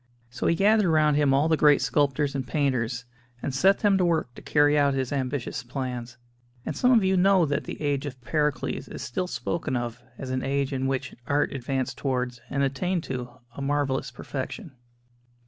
So he gathered round him all the great sculptors and painters, and set them to work to carry out his ambitious plans; and some of you know that the "Age of Pericles" is still spoken of as an age in which art advanced towards and attained to a marvellous perfection.